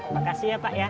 makasih ya pak ya